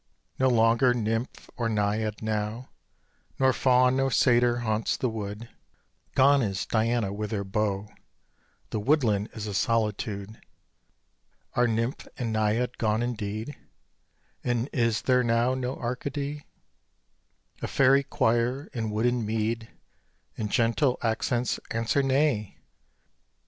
No longer nymph nor naiad now, Nor faun nor satyr haunts the wood, Gone is Diana with her bow, The woodland is a solitude. Are nymph and naiad gone indeed, And is there now no Arcady? A fairy choir in wood and mead In gentle accents answer, "Nay."